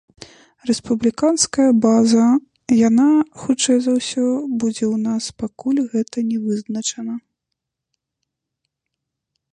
Рэспубліканская база, яна, хутчэй за ўсё, будзе ў нас, пакуль гэта не вызначана.